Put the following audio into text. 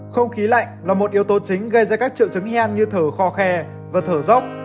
không khí lạnh là một yếu tố chính gây ra các triệu chứng y như thở kho khe và thở dốc